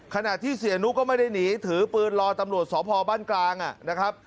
ขนาดที่เสียนู้ก็ไม่ได้หนีถือปืนรอตำลวจสอบภอบ้านกลางอ่ะนะครับ